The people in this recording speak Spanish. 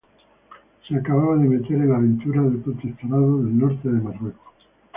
Se acababa de meter en la aventura del protectorado del norte de Marruecos.